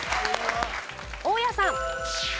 大家さん。